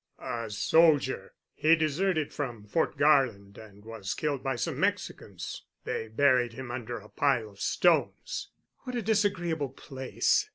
"A soldier. He deserted from Fort Garland and was killed by some Mexicans. They buried him under a pile of stones." "What a disagreeable place.